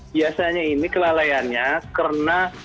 biasanya ini kelalaiannya karena